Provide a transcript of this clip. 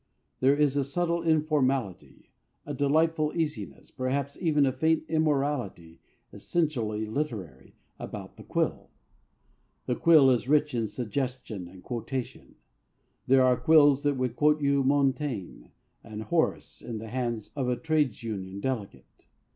There is a subtle informality, a delightful easiness, perhaps even a faint immorality essentially literary, about the quill. The quill is rich in suggestion and quotation. There are quills that would quote you Montaigne and Horace in the hands of a trades union delegate.